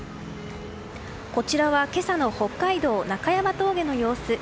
こちらは今朝の北海道中山峠の様子。